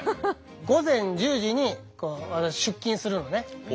午前１０時に私出勤するのね。